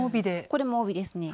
これも帯ですね。